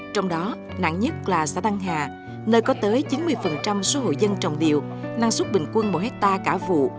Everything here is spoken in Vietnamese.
trong đó nặng nhất là xã đăng hà nơi có tới chín mươi số hộ dân trồng điều năng suất bình quân mỗi hectare cả vụ